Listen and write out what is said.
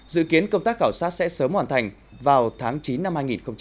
dự kiến công tác khảo sát sẽ sớm hoàn thành vào tháng chín năm hai nghìn hai mươi